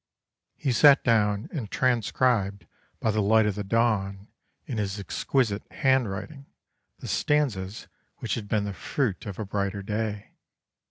He sat down and transcribed by the light of the dawn in his exquisite handwriting the stanzas which had been the fruit of a brighter day.